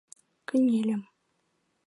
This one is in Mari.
Кынельым.